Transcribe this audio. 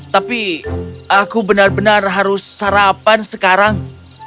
tapi aku benar benar harus sarapan sekarang